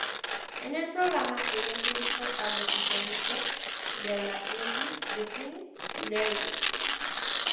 En el programa, ella entrevistó a los islamistas y a la English Defence League.